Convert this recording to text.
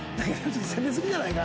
攻めすぎじゃないか？